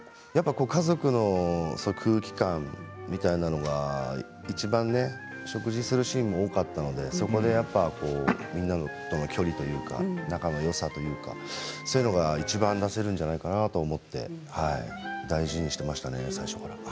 家族の空気感みたいなのはいちばん、食事するシーンが多かったので、そこでみんなの距離というか仲のよさというかそういうのが、いちばん生かせるんじゃないかなと思って大事にしていましたね、最初から。